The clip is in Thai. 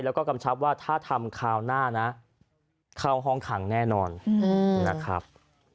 แล้วก็กำชับว่าถ้าทำคราวหน้านะเข้าห้องขังแน่นอนนะครับ